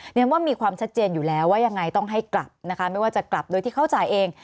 เรียนว่ามีความชัดเจนอยู่แล้วว่ายังไงต้องให้กลับนะคะไม่ว่าจะกลับโดยที่เขาจ่ายเอง